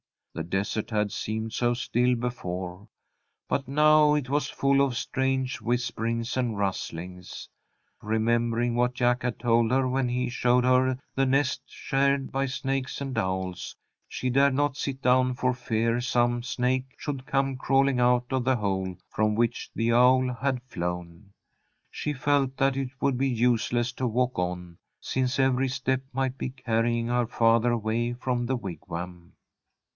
The desert had seemed so still before, but now it was full of strange whisperings and rustlings. Remembering what Jack had told her when he showed her the nest shared by snakes and owls, she dared not sit down for fear some snake should come crawling out of the hole from which the owl had flown. She felt that it would be useless to walk on, since every step might be carrying her farther away from the Wigwam.